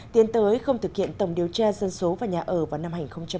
tiến tới không thực hiện tổng điều tra dân số và nhà ở vào năm hai nghìn hai mươi